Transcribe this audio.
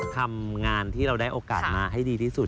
ทำงานที่เราได้โอกาสมาให้ดีที่สุด